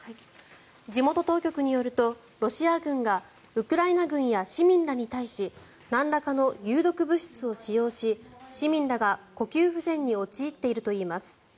地元当局によるとロシア軍がウクライナ軍や市民らに対しなんらかの有毒物質を使用し市民らが呼吸不全に陥っているといいます。